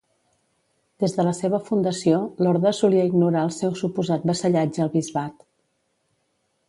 Des de la seva fundació, l'orde solia ignorar el seu suposat vassallatge al bisbat.